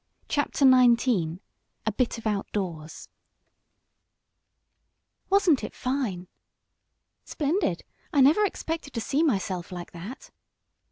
CHAPTER XIX A BIT OF OUTDOORS "Wasn't it fine!" "Splendid! I never expected to see myself like that."